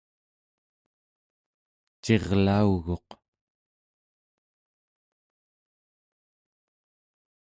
cirlauguq